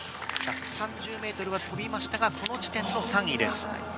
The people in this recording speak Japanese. １３０ｍは飛びましたがこの時点の３位です。